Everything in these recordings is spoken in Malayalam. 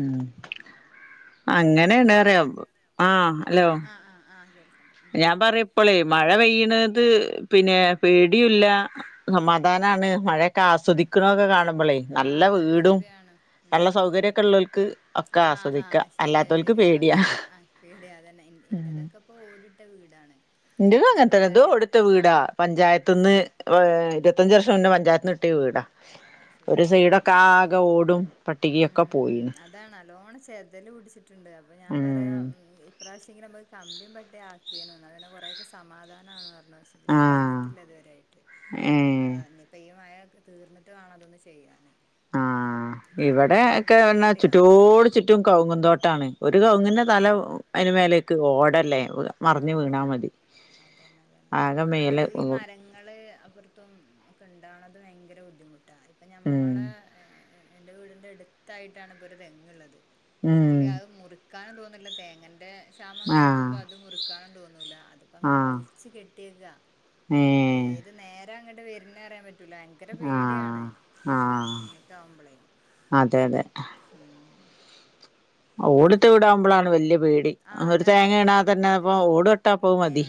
ഉം ഹലോ അങ്ങനെണ്റ്യാ ആഹ് അലോ ആഹ് ആഹ് ആഹ് കേൾക്ക്ണ്ട് ഉം ഞാൻ പറ്യാ പ്പളേ മഴ പെയ്യ്ണത് പിന്നെ പേട്യൂല്ല ഉം സമാധാനമാണ് മഴൊക്കെ ആഹ് ആസ്വദിക്കണൊക്കെ കാണുമ്പളെ ആഹ് നല്ല അതൊക്കെ വീടും ശരിയാണ് നല്ല സൗകര്യക്കെള്ളോൽക്ക് അ ആഹ് ഹാഹ് ശെര്യാ ശെര്യാ അങ്ങൻത്തെ ആഹ് പേട്യാ അതെന്നെ ഇൻ ഇൻ്റെതൊക്കെ അപ്പോ ഓടിട്ട വീടാണ്. ഇന്റെതും അങ്ങൻ പറഞ്ഞിട്ട് തെന്നെ കാര്യല്ല ഇതൊട്ട്ട വീടാ ആഹ് പഞ്ചായത്ത്ന്ന് ചെറിയ ഏഹ് ഇരുവത്തഞ്ചർഷം മുന്നേ പഞ്ചായത്ത്ന്ന്ട്ട്യാ വീടാ. അയ് ശെരി ഒരു ഉം ഉം സൈഡൊക്കെ ഉം ആകെ ഓടും പട്ടികയൊക്കെ ഉം ഉം പോയിണ് അതാണ് നല്ലോണ ചെതല് പിടിച്ചി ട്ട്ണ്ട് അപ്പൊ ഞാൻ പറയാം ഉം ഉം ഇ പ്രാവശ്യെങ്കിലും അമ്മക്ക് കമ്പിം പട്ടാക്കേന്നു എന്നാ പിന്നെ കൊറെ ക്കെ സമാധാനാണർഞ്ഞു പക്ഷ് [unintelligible] ആഹ് കഴിഞ്ഞിട്ട്ല്ല ഇത് വരെ യായ്ട്ട് ഏഹ് ഇഞ്‌പ്പോ ഈ മയൊക്കെ തീർന്ന് ട്ട് വാണം അതൊന്ന് ചെയ്യാന് കാരണം ഇവടെ ഒക്കെ ഭയങ്കര ർഞ്ഞാ പേടിയാ ചുറ്റോട് ചുറ്റും കവ്ങ്ങും തോട്ടാണ് ഒരു കവ്ങ്ങി ൻ്റെ തല ആഹ് അയ്ൻ്റ് മേലേക്ക് ഓടല്ലേ [unintelligible] വീണാ ആഹ് മതി അതെന്നെ അതെന്നെ ആകെ മേലെ അല്ലെങ്കില് ഈ ഉം മരങ്ങള് അപ്പർ ത്തും ഒക്കെ ണ്ടവണത് ഭയങ്കര ബുദ്ധിമുട്ടാ ഇപ്പൊ ഞമ്മളെ ഏഹ് എന്റെ വീടിന്റെ അട്ത്തായിട്ടാണ് ഇപ്പോരു തെങ്ങ്ള്ളത് പക്ഷെ ഉം ങ്കില് അത് മുറിക്കാനും തോന്ന്ല്ല തേങ്ങന്റെ ശാമം ആഹ് കേൾക്കുമ്പോ അത് മുറി ക്കാനും തോന്നൂല അത് പ്പങ്ങനെ ആഹ് വലിച്ച് കെട്ട്യേക്കാ അത് ഏഹ് ഏത് നേ രാ ങ്ങട് വെര്ണാ റ്യാൻ പറ്റൂല ഭയൻ ക്കര പേട്യാണ് ആഹ് ആഹ് അങ്ങനെക്കവുമ്പ്ളെ അതെ അതെ ഓടിട്ട് ഞാം പറ്യാ വീടാവുമ്പോളാണ് വല്യ പേടി ആഹ് ഒരു അതാണ് തേങ്ങ വെല്യ ഇടാതെ തന്നെ ബുദ്ധിമുട്ട് അപ്പൊ ഓട് വെട്ടാ അപ്പത് പിന്നെ മതി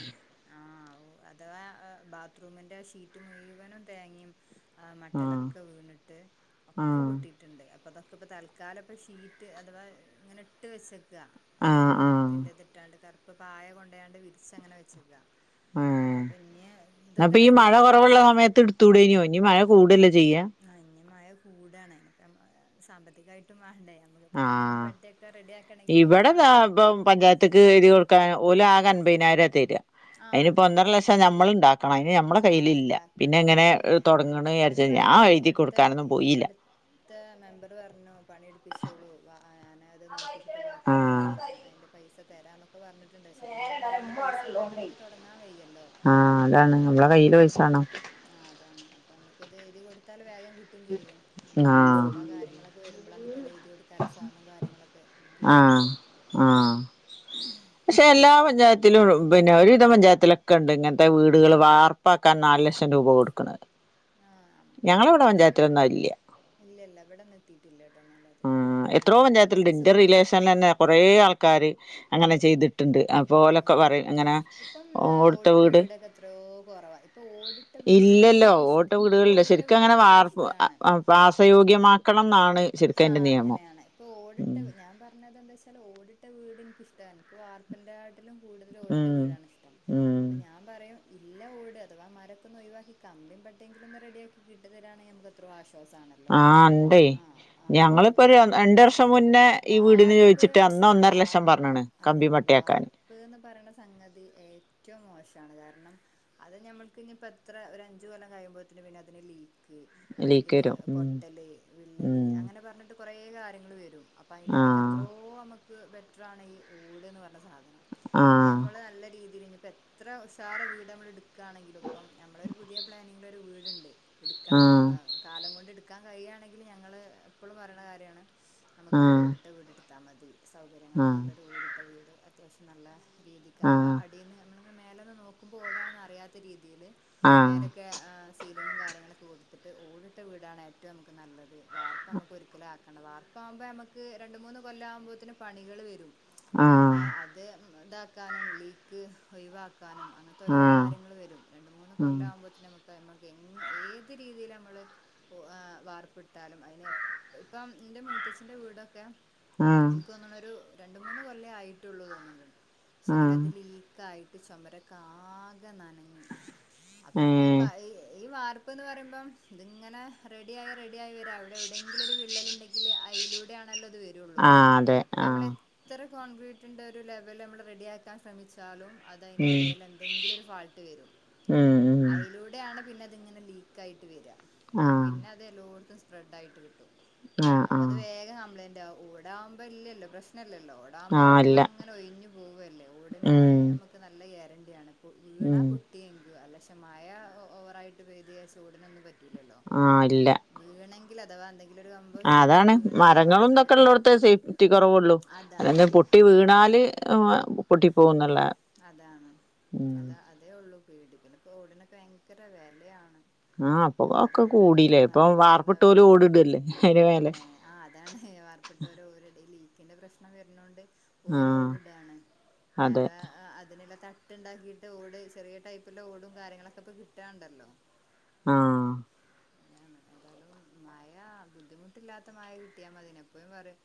ആഹ് വൂ അഥവാ എഹ് ബാത്റൂമിന്റെ ഷീറ്റ് മുഴുവനും തേങ്ങിം ആ ആഹ് മട്ടലൊക്കെ വീണ് ട്ട് ഒക്കെ ആഹ് പൊട്ടിട്ട്ണ്ട് അപ്പൊതൊക്കെ പ്പൊ തൽക്കാലപ്പ ഷീറ്റ് അഥവാ ഇങ്ങനെ ഇട്ട് വെച്ചക്കാ എഹ് ആഹ് ഒരു ആഹ് ഇതിന്റെ തിട്ടാണ്ട് കറ്പ്പ് പായ കൊണ്ടോയാണ്ട് വിരിച്ചങ്ങനെ വെച്ചേക്ക. ഏഹ് അപ്പൊ ഇഞ് ഇതൊക്കെ റെഡ്യാക്കെങ്കില് ത്തൂടേന്യോ ഇഞ് മഴ കൂടലേ ചെയ്യാ. ആഹ് ഇഞ് മഴ കൂടാണ് [unintelligible] സാമ്പത്തികായിട്ടും മാണ്ടേ ഇഞ്പ്പൊ കമ്പിം ആഹ് പട്ടെക്കെ റെഡ്യാക്കണെങ്കില് അയ്നും ഇവിടെ ദാ മാണൊര് സ ഇപ്പം പഞ്ചായത്ത്ക്ക് എഴ്തി കൊട്ക്കാൻ ഓലാകെ അൻപതിനായിരാ തെരാ ആഹ് അയ്ന്പ്പോ ഒന്നര തരാ ലക്ഷം ശരി ഞമ്മള് ണ്ടാക്കണം അയ്ന് ഞമ്മളെ ആഹ് കയ്യിലില്ല പിന്നെ ഇണ്ടാക്കണം ങ്ങനെ അതന്നെ എഹ് ഞാടങ്ങ്ണെ അത് വിചാരിച്ചാ ഞാൻ പറഞ്ഞു എഴുതി ഇവിടുത്തെ കൊട്ക്കാനൊന്നും പോയില്ല. ഇവിടു ത്തെ മെമ്പറ് പറഞ്ഞു പണിയെട്പ്പിച്ചോളു വാ അ ഞാനെ അത് നോക്കിച്ചിട്ട് ബാക്കി പണി ആഹ് അ അയിൻ്റെ പൈസ തെരാന്നൊക്കെ പറഞ്ഞ്ട്ട്ണ്ട് പഷേങ്കില് ഞമ്മളെ കയ്യില് പൈസ് സല്ലാതെ അമക്ക് തൊടങ്ങാൻ വയ്യല്ലോ ആഹ് അതാണ് നമ്മളെ അതാണ് കയ്യില് പൈസ ഉം. വേണം ആഹ് അതാണ് അപ്പമ്മക്ക് ഇത് എഴുതി കൊടുത്താല് വേഗം കിട്ടും ചെയ്യും. ആഹ് ഗ്രാമസഭാ കാര്യങ്ങളൊക്കെ വെരുമ്പള അമക്കത് അത്എഴ്തിയോട്ക്കാലെ ഫോമും കാര്യങ്ങളൊക്കെ കിട്ടൊള്ളൂ. ആഹ് ആഹ് [inaudible] പഷെ എല്ലാ അപ്പ അത് പഞ്ചായത്തിലു പിന്നെ ഒര് വിധം പഞ്ചായത്തിലൊക്കെണ്ട് ഇങ്ങൻത്തെ വീട്കള് വാർ പ്പാക്കാൻ നാല് ലക്ഷം രൂപ കൊടുക്ക്ണ ആഹ് അമ്മളെയെ അതില്ല ഇല്ല ല്ല വടൊ ന്നെത്തിട്ടില്ലട്ടോന്നാലത് ആഹ് എത്രയോ പഞ്ചായത്തിലുണ്ട് അങ്ങനെക്കെണ്ടെങ്കിൽ ഇന്റെ സുഖേനു. റിലേഷനിലെന്നെ കൊറേ ആൾക്കാര് അങ്ങനെ ചെയ്ത്ട്ട്ണ്ട് അപ് ഉം പോലൊക്കെ ഉം പറയും എങ്ങന ഇപ്പം ഏഹ് ഓട് ട്ട ഓടിട്ട വീട്. വീടൊക്കെ എത്രയോ കുറവാ ഇപ്പൊ ഓടിട്ട വീടുകൊണ്ട് ഇല്ലല്ലോ എനിക്കിഷ് ഓട് എനിക്ക് ട്ടവീടുകളില്ല ഓടിട്ട വീട് ശെരിക്കങ്ങനെ പൊതുവേ വാർപ് അ ഇഷ്ടാണ് അം. വാസയോഗ്യമാക്കണംന്നാണ് ആഹ് അങ്ങനെയാണ് ഇപ്പൊ ഓടിട്ട ഞാൻ പറഞ്ഞത് എന്താച്ചാല് ഓടിട്ട വീട് ഇൻക്കിഷ്ട ഇൻക്ക് വാർ പ്പിന്റെ ആട്ടിലും കൂടുതലോടിട്ട ഉം വീടാണ് ഇഷ്ടം. ഉം അപ്പൊ ഞാൻ പറയും ഇല്ല വീട് അഥവാ മരക്കൊന്ന് ഒഴിവാക്കി കമ്പിം പട്ടെങ്കിലൊന്ന് റെഡി ആക്കി. കിട്ട് തെരാണെ ഞമ്മക്കെത്രോ ആശ്വാസാണ്. ആഹ് ണ്ടെയ്. ഞങ്ങളിപ്പോര് രണ്ട് വർഷം മുന്നേ ഈ വീടിന് വാർപ്പ് ചോയിച്ചിട്ട് അന്ന് ഒന്നര ലക്ഷം പറഞ്ഞെണ് കമ്പിം പട്ടയാക്കാൻ. പ്പ്ന്ന് പറയ്ണ സംഗതി ഏറ്റോം മോശാണ് കാരണം. അത് ഞമ്മൾക്ക് ഇഞ്ഞിപ്പെത്ര ഒരഞ്ച് കൊല്ലം കയ്യുമ്പോത്ത്ന് പിന്നെ അതിന് ലീ ക്ക് ലീക്ക് അല്ലെങ്കില് വരും ഉം പൊട്ടല്, വിള്ളല് ഉം അങ്ങനെ പർഞ്ഞിട്ട് കൊറേ കാര്യങ്ങള് വെരും. ആഹ് അപ്പയ്ലേറോക്കെത്രോ അമക്ക് ബെറ്ററാണ് ഈ ഓട്ന്ന് പർഞ്ഞ സാധനം അത് ഞം ആഹ് മ്മള് നല്ല രീതില് ഇഞ്ഞി പ്പെത്ര ഉഷാറ് വീട് അമ്മള് എട് ക്കാണെങ്കിലു പ്പം ഞമ്മളൊരു പുതിയ പ്ലാനിങ്ങിലൊരു വീട്ണ്ട് ഇട്ക്കണം അ ആഹ് ആ കാലം കൊണ്ട് എട്ക്കാൻ കഴിയാണെങ്കില് ഞങ്ങള് എപ്പളും പറയണ കാര്യാണ് നമക്ക് ആഹ് ഓടിട്ട വീട് ട്ത് ത്താ മതി ആഹ് സൗകര്യങ്ങളൊക്കെ ള്ളൊരു ഓടിട്ട വീട് അത്യാവശ്യം നല്ല രീതിക്ക് അഥവാ ആഹ് അട് ടീന്ന് ഞമ്മള്ങ്ങനെ മേലന്ന് നോക്കുമ്പോ ഓടാണ്ന്നറീയാത്ത രീതില് ആഹ് മേലൊക്കെ ആഹ് സി ലിങ്ങും കാര്യങ്ങളൊക്കെ കൊട്ത്ത്ട്ട് ഓടിട്ട വീടാണ് ഏറ്റവും അമക്ക് നല്ലത് വാർപ്പമ്മക്കൊരിക്കലും ആ ക്കണ്ട വാർപ്പാവുമ്പോ ഞമ്മക്ക് രണ്ട് മൂന്ന് കൊല്ലം ആകുമ്പോത്ത്ന് പണികള് വെരും. ആഹ് ഏഹ് അത് താക്കാനും ലീക്ക് ഒയിവാക്കാനും അങ്ങൻ തോരോ ആഹ് കാര്യങ്ങൾ വെരും രണ്ട് മൂന്ന് കൊല്ലം ആവുമ്പോത്തിന് അമക്ക് അമ്മക്ക് എങ്ങ് ഏത് രീതിലമ്മള്. പൊ ആഹ് വാർപ്പിട്ടാലും അയിനെര് ത്പ്പം ന്റെ മൂത്തച്ഛിന്റെ വീടൊക്കെ ആഹ് ആഹ് എൻക്ക് തോന്ന്ണൊരു രണ്ട് മൂന്ന് കൊല്ലെ ആയിട്ടൊള്ളു തോന്ന്ണ്ട് ക്ഷെ ആഹ് ങ്കിലത് ലീ ക്കായിട്ട് ചൊമരൊക്കാകെ നനഞ്ഞ്. അപ്പം ഈ പ ഏഹ് ഈ വാർ പ്പ്ന്ന് പറയുമ്പം ത്ങ്ങനെ റെഡിയായി റെഡിയായി വെരാ ഔടെ എവ്ടെയെ ര് വിള്ളല്ണ്ടെങ്കില് അയിലൂടെ ആണല്ലോ ത് വെരുള്ളൂ ആഹ് അതെ ഞ്ഞിപ്പ ഞമ്മളെ ആഹ് ത്ര കോൺക്രീറ്റിന്റെ ഒര് ലെവലമ്മള് റെഡി ആ ക്കാൻ ശ്രമിച്ചാലും അതയ്ന്റെ ഉം ടേലെന്തെങ്കിലും ഒരു ഫാൾട്ട് വെരും ഉം ഉം അയിലൂ ടെയാണ് പിന്നത്ങ്ങനെ ലീക്കായിട്ട് വെരാ. ആഹ് പിന്നത് എല്ലോട്ത്തും സ്പ്രഡാ യിട്ട് കിട്ടും. ആഹ് അപ്പ അത് ആഹ് വേഗം അംപ്ലയന്റ് ആകും ഊടാവുമ്പോ ഇല്ലല്ലോ പ്രശ്നല്ലല്ലോ. ഓടാവുമ്പോ ആഹ് ഇല്ല വെള്ളം ങ്ങനെ ഒഴിഞ്ഞ് പോവല്ലേ ഓടിനാണെങ്കി ഉം ഞമ്മക്ക് നല്ല ഗ്യാരൻണ്ടിയാണ് പൊ വീണാ ഉം പൊട്ട് ട്ടി നിക്കും അല്ല ക്ഷെ മയ ഓവറായിട്ട് പെയ്ത് ജാര്ച് ഓടിനൊന്നും പറ്റൂലല്ലോ. ആ ഇല്ല. വീണെങ്കില് അഥവാ എന്തെങ്ക് ആ അതാണ് മരങ്ങളും തൊക്കെ പ്രശ്നം ള്ളോട്ത്തേ സേഫ്റ്റി കൊറവൊള്ളൂ അതാണ് അല്ലാതെ പൊട്ടി അതാണ് വീണാല് പൊട്ടി പോകുന്ന്ള്ളേ അതാണ് അതാ അതേ ഒള്ളൂ പേടി പിന്നെ പ്പോ ഓടിനൊക്കെ ഭയങ്കര വെലയാണ് ആഹ് ഇപ്പൊ നമ്മളൊരു ഒക്കെ ഓട് കൂടില്ലേ ട്ക്കാർഞ്ഞാ ഇപ്പൊ നല്ല വാർപ്പിട്ടോല് വെലേ ഓടിടല്ലേ അയിന്റെ മേലെ പിന്നെ ആ അത് അതാണേയ് വാർപ്പ്ട്ടവര് ഓര്ടെ ഈ ലീക്കിന്റെ പ്രശ്നം വരുനോണ്ട് ഓരും ആഹ് ഓട് ടേണ് അതെ മേലോഅ ആ അതിനുള്ള തട്ട്ണ്ടാക്കീട്ട് ഓട് ചെറിയ ടൈപ്പുള്ള ഓടും കാര്യങ്ങളൊക്കെ ഇപ്പൊ കിട്ടാണ്ടല്ലോ ആഹ് [unintelligible] ഏതാലും മയാ ബുദ്ധിമുട്ടില്ലാത്ത മയ കിട്ടിയാ മതിയ്ന് എപ്പഴും പറയും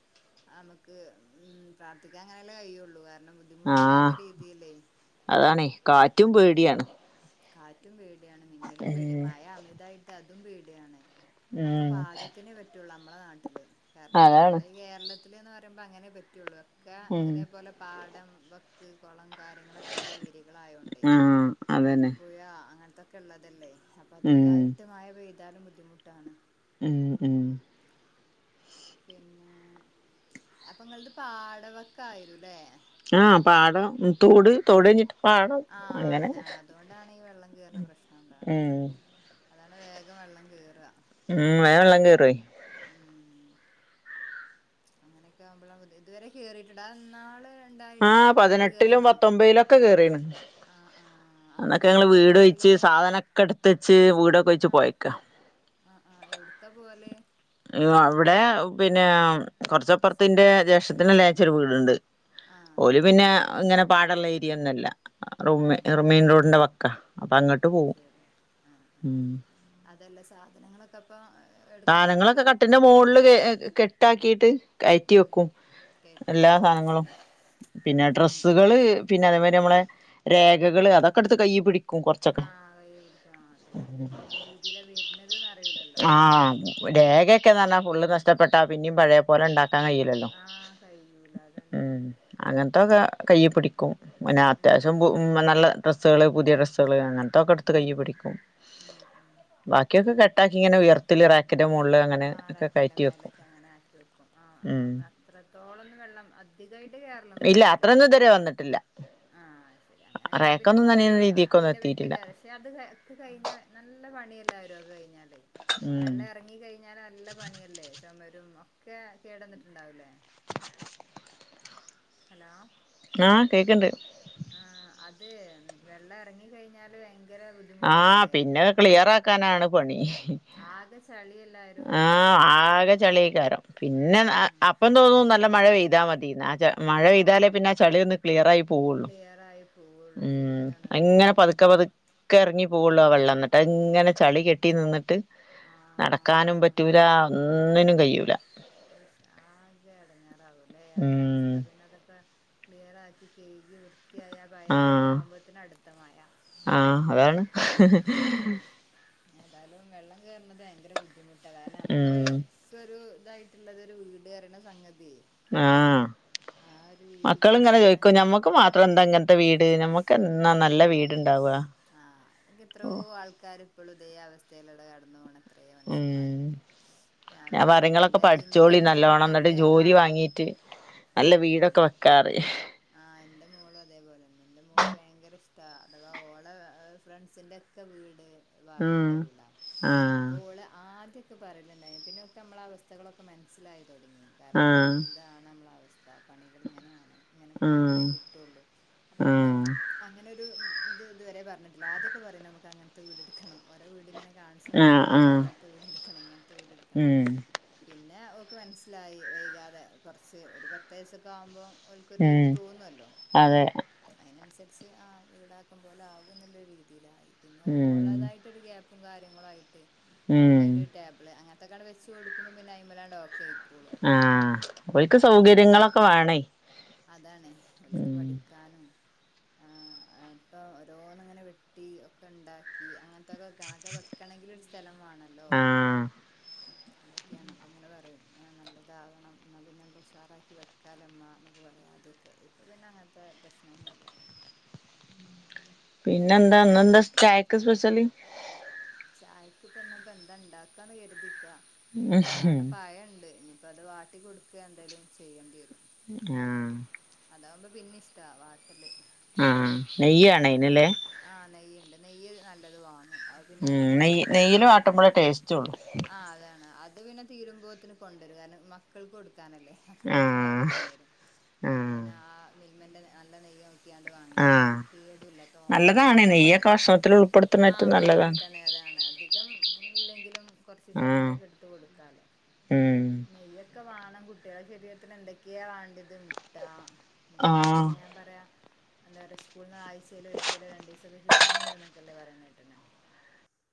ആ അമുക്ക് ഉം പ്രാർഥിക്കാൻ അങ്ങനെല്ലേ കഴിയൊള്ളൂ കാരണം ബുദ്ധിമു ട്ടി ല്ലാത്ത ആഹ് രീതിയിലേയ് അതാണേ കാറ്റും ഉം പേടിയാണ് കാറ്റും പേടിയാണ് മിന്നലും ഉം പേടിയാ മയ അമിതായിട്ട് അതും പേടിയാണ് ഒക്കെ ഉം പാകത്തിനേ പറ്റുള്ളൂ അമ്മളെ നാട്ടില് കാര്ണം അതാണ് നമ്മളെ ഈ കേരളത് ത്തില്ന്ന് പറയുമ്പോ അങ്ങനെ പറ്റൊള്ളു ഒക്കെ ഉം ഇതേപോലെ പാടംവക്ക് കൊളം കാര്യങ്ങളൊക് ക്കെള്ള ഏരികളായോണ്ടേയ് ആഹ് പിന്നെ അതന്നെ പുഴ അങ്ങൻത്തൊക്കെ ള്ളതല്ലേ അപ്പ ഉം അധികായി ട്ട് മയ പെയ്താലും ബുദ്ധിമുട്ടാണ് ഉം ഉം പിന്നെ അപ്പൊ ങ്ങൾത് പാടവക്കായിരും ലേ ആ പാടം തോട് തോടയ്ഞ്ഞിട്ട് ആ അതാണ് അതുകൊണ്ടാണ് ഈ വെള്ളം കേർണ പ്രശ്നം ഉണ്ടാണത് ഉം അതാണ് വേഗം വെള്ളം കേറാ ഉം വേം വെള്ളം കേറോയ് ഉം അങ്ങനെയൊക്കെ ആവുമ്പളാ ബുദ്ധി ഇതുവരെ കേറിയിട്ടുണ്ട് ആ ന്നാള് ആ പതിനെട്ടിലും പത്തൊമ്പതിലും ഒക്കെ കേറീണ് ആഹ് ആഹ് അന്നൊക്കെ അപ്പൊക്കെ ഞങ്ങള് എവിട്ക്കാ വീട് പോവല് ഒയ്ച്ച് സാധനൊക്കെട്ത്തെച്ച് വീടൊക്കെ ഒയ്ച്ച് പോയേക്കാ ആ ആ എവ്ട്ക്കാ പോവല് ഏ അവ്ടേ പിന്നെ കൊർച്ചപ്പൊർത്ത് ന്റെ ജേഷട്ടത്തിനേ ലേച്ച ഒര് വീട്ണ്ട് ആഹ് പിന്നെ ഇങ്ങനെ പാടള്ള ഏരിയ ഒന്നല്ല റുമ്മേ റുമ്മേ മെയിൻ റോഡിന്റെ വക്കാ അപ്പൊ അങ്ങട്ട് പോവും [unintelligible] ആ ഉം ആ അതല്ല സാധനങ്ങളൊക്കെ അപ്പോ സാനങ്ങളൊക്കെ കട്ടിൽന്റെ മോൾല് കേ കെട്ടാക്കീട്ട് കയറ്റി ഉം വെക്കും കേറ്റി എല്ലാ വെക്കും സാനങ്ങളും ഉം ഉം പിന്നെ ഉം ഉം ഡ്രസ്സുകള് പിന്നെ അതേമാതിരി നമ്മളെ രേഖകള് അതൊക്കെട്ത്ത് കയ്യ് പിടിക് ആ കയ്യ് പിടിക്കും ആ അതന്നെ ഏത് രീതിയിലാ വര്നത് ന്ന് അറിയൂലല്ലോ രേഖയൊക്കെന്ന്ർഞ്ഞാ ഫുള്ള് നഷ്ടപ്പെട്ട പിന്നിം പഴേ പോലെ ണ്ടാക്കാൻ കഴിയും ആ കഴിയൂല അതന്നെ അതന്നെ അങ്ങൻത്തെക്കെ കയ്യ് പിടിക്കും പിന്നെ ഉം അത്യാവ്ശ്യം ബു നല്ല ഡ്രസ്സുകള് പുതിയ ഡ്രസ്സുകള് അങ്ങൻത്തെക്കെട്ത്ത് ഉം കയ്യ് ഉം പിടിക്കും ഉം ഉം ബാക് ക്കി ഒക്കെ കെട്ടാക്കി ഇങ്ങനെ ഉയർത്തില് റാക്ക്ന്റെ മോൾല് ആ റാക്കിന്റെ മേലക്കെ അങ്ങനെ ആക്കി വെക്കും ആ ഉം അത്രത്തോളൊന്നും വെള്ളം അത് ധികായിട്ട് കേറലൊന്നും ഇല്ല ഇണ്ടാവൂലല്ലേ അത്രൊന്നും ഇതുവരെ വന്നിട്ടില്ല ആഹ് അഹ് ശരി അങ്ങനെ ആകുമ്പ പിന്നെ റാക്കൊന്നും നമുക്കൊരു നനയുന്ന അ രീതിക്കൊന്നും അയിന്റെ പറ്റി എത്തിയിട്ടില്ല ഒര് അത് കാ ക്കെ കഴിഞ്ഞാൽ നല്ല പണിയല്ലാരെ കഴിഞ്ഞാല് ഉം വെള്ളം ഇറങ്ങി കഴി നല്ല പണിയല്ലേ ചുമരും ഒക്കെ കേടന്നിട്ടുണ്ടാവുല്ലേ ഹലോ ആഹ് കേക്ക്ണ്ട് ആഹ് അത് വെള്ളം ഇറങ്ങി കഴിഞ്ഞാല് ഭ ആഹ് പിന്നെ ഹ് ക്ലിയർ ആക്കാനാണ് പണി ആകെ ചളി എല്ലാരും ആഹ് ആകെ ചളീക്കാരം പിന്നെ ഉം അ ഉം അപ്പം തോന്നു നല്ല മഴ പെയ്താ മതിന്ന് ആ ച മഴ പെയ്താലേ ആഹ് പിന്നെ ആ ചളിയൊന്ന് ക്ലിയർ ആയി പോവുള്ളൂ ക്ലിയർ ആയി പോവുള്ളൂ ഉം ശരിയാണത് അഹ്ങ്ങനെ ഉം പതുക്കെ പതു ക്കെ ഇറങ്ങി പോവള്ളൂ ആ വെള്ളം ന്നിട്ട് അത്ങ്ങനെ ചളി കെട്ടി നിന്നിട്ട് ആഹ് ക്കാനും പറ്റൂല ഒന്നിനും കയ്യൂല ഐശ് ആകെ എടങ്ങാറാവൂല്ലേ ആഒരു അവസ് ഉം സ്ഥ പിന്നെ അതൊക്കെ ക്ലിയറാക്കി കയ്‌കി വൃത്തിയായ പയേപടി ആഹ് ആകുമ്പോഴത്തിന് അടുത്തമയ ആഹ് അതാണ് ഉം ഏതായാലും വെള്ളം കേറ്ണത് ഭയങ്കര ബുദ്ധിമുട്ട കാരണം നമ്മള് ഉം ക്കൊരു തായി ട്ട്ള്ളതൊരു വീട് അറിണ സംഗതി ആഹ് ആ ഒരു മക്കളിങ്ങനെ രീതിക്കില്ലാഞ്ഞ ചോയ്‌ക്കും ഞമ്മക്ക് മാ ത്രന്ത ഇങ്ങൻത്തെ വീട് നമ്മക്ക് എന്നാ നല്ല വീട്ണ്ടാവാ ആഹ് തൊക്കെ എത്ര റോ ആൾക്കാര് ഇപ്പളും ഇതേ അവസ്ഥയിലൂടെ കടന്നു പോണെ എത്രേ ഉം മനുഷ്യന്മാരുണ്ട് ഞാനും ഞാൻ പറയും ഇങ്ങളൊക്കെ ന്റെ ഇന്റെ പഠിച്ചോളി നല്ലോണം എന്നിട്ട് മോൾക്കൊക്കെ ജോലി ആഹ് വാങ്ങീട്ട് നല്ല ആഹ് വീടൊക്കെ അതന്നെ അത് വെക്കാറിം ആഹ് ന്റെ മോളും അതേപോലെന്നെ എന്റെ മോൾക് ഭയങ്കര ഇഷ്ട അഥവാ ഓള ഫ്രണ്ട്സിന്റെ ക്കെ വീട് വാർപ്പിട്ട ഉം വീടാ ആഹ് അപ്പോള് ആദ്യ ക്കെ പറേല്ണ്ടായിനു പിന്നൊക്ക് നമ്മളവസ്ഥകളൊക്കെ മനസ്സിലായി തുടങ്ങി കാരണം ആഹ് ഇതാണ് നമ്മള വസ് സ്ഥപണികൾ ഇങ്ങനെയാണ് ഇങ്ങനെ പോയെങ്കിലേ ആഹ് കിട്ടുള്ളൂ അപ്പൊ പിന്നെ ആഹ് അങ്ങനൊരു ത് ഇതുവരെ പറഞ്ഞിട്ടില്ല ആദ്യൊക്കെ പറയേനു നമ്മക്ക് അങ്ങനത്തെ വീട് എടുക്കണം ഓരോ വീട്ങ്ങനെ കാണിച്ചന്നിട്ട് ആഹ് പറയും ഞമക്ക് ആഹ് അങ്ങൻത്തെ വീടെടുക്കണം ഇങ്ങൻത്തെ വീടെടുക്കണം ഉം പിന്നെ ഓക്ക് മനസ്സിലായി വൈകാതെ കുറച്ച് ഒരു പത്തവയസൊക്കെ ആവുമ്പോ ഓൽക്കൊരു ഇത് ഉം തോന്നല്ലോ അതെ അയിനനുസരിച്ച് ആ വീടാക്കം പോലെ ആകും ന്നുള്ള രീതിയിലായി പിന്നെ ഉം ഓള്ളതായിട്ടൊരു ഗ്യാ പ്പ് കാര്യങ്ങളായിട്ട് ഉം ഓക്കായിട്ടൊരു ടേബിൾ അങ്ങനത്തൊക്കെയാ ണ്ട് വെച്ച് കൊടുക്കുമ്പം പിന്നെ അയ്‌മലാ ണ്ട് ഓക്കെ അയ്ക്കും ആഹ് ഓൽക്ക് സൗകര്യങ്ങളൊക്കെ വേണേയ്‌ അതാണ് ഓൽക്ക് പഠിക്കാനും ആഹ് അപ്പം ഓരോന്നിങ്ങനെ വെട്ടി ഒക്കെണ്ടാക്കി അങ്ങൻത്തൊക്കെ കണക്കൊക്കെ വെക്കണങ്കിലൊരു സ്ഥലംവാണല്ലോ വീട്ടില് ആഹ് അതൊക്കെയാണ് അപ്പങ്ങനെ പറയും നല്ലതാവണം ഇന്ന പിന്നെ നല്ല ഉഷാറാക്കി വെക്കാലമ്മ ന്നൊക്കെ പറയും ആദ്യ ക്കെ ഇപ്പൊ പിന്നെ അങ്ങൻത്തെ പ്രശ്നൊന്നുല്ല പിന്നെന്താ ഇന്നെന്താ ചായക്ക് സ്പെഷ്യല് ചായക്ക് ഇപ്പന്നാപ്പന്തണ്ടാക്കാന്ന് കരുതിക്കാ അവിടെ പഴണ്ട് ഇനിയിപ്പോ അത് വാട്ടി കൊടുക്കന്തേലും ചെയ്യണ്ടേരും ഞാഹ്. അതാവുമ്പോ പിന്നിഷ്ടാ വാട്ടല് ആഹ്, നെയ്യാണയ്‌ന്ലെ ആഹ്, നെയ്യ്ണ്ട് നെയ്യ് നല്ലത് വാങ്ങും അത് പിന്നെ ഉം ഓരപ്പ നെയ്യ് അത് നെയ്യില് തീര് വാട്ടുമ്പളേ ടേസ്റ്റ് ഉള്ളൂ ആഹ്, അതാണ് അത് പിന്നെ തീരുമ്പോത്തിന് കൊണ്ടരും കാരണം മക്കൾക്ക് കൊടുക്കാനല്ലേ അപ്പൊ പിന്നെ വേഗം ആഹ് കൊണ്ടരും അപ്പൊ ആഹ് പിന്നെ ആ മിൽമന്റെ നല്ല നെയ്യ് നോക്കിയാണ്ട് വാങ്ങിയാല് ആഹ് കേടുല്ല. ആഹ്, നല്ലതാണ് അധികമ്മൾ നെയ്യൊക്കെ ഭക്ഷണത്തിൽ ഉൾപ്പെടുത്തുന്ന ആഹ്, ഏറ്റവും നല്ലതാണ് ഉൾപെട്ത്തണേ ഏതാണധികം ഇല്ലെങ്കിലും കൊർചീച്ചെ ആഹ് കൊർച്ചീച്ചെക്കെ ഇട്ത്ത് കൊടുക്കാലോ ഉം നെയ്യൊക്കെ വാണം കുട്ടികളെ ശരീരത്തിന് എന്തൊക്കെയാ വാണ്ട്യത് മുട്ട മുട്ടക്കെ ആഹ് പിന്നെ ഞാൻ പറയാ എന്താ പറയാ സ്കൂൾന്ന് ആഴ്‌ചേല് ഒരി ക്കലോ രണ്ടീസൊക്കെ കിട്ട്ണ് ണ്ട്ന്നൊക്കെല്ലെ പറീണെട്ട്ണ്.